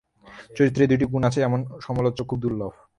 চরিত্রে এই দুইটি গুণ আছে, এমন সমালোচক খুব দুর্লভ।